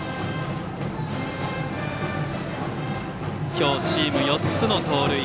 今日チーム４つの盗塁。